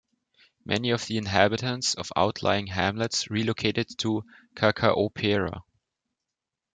Many of the inhabitants of outlying hamlets relocated to Cacaopera.